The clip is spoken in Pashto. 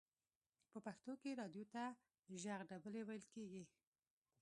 په پښتو کې رادیو ته ژغ ډبلی ویل کیږی.